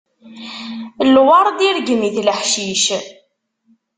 Lweṛd irgem-it leḥcic.